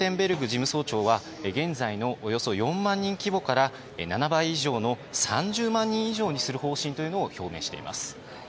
事務総長は現在のおよそ４万人規模から７倍以上の３０万人以上にする方針を表明しています。